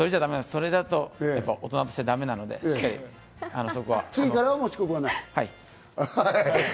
それじゃ大人としてだめなので、そこは。